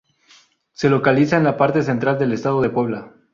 Se localiza en la parte central del estado de Puebla.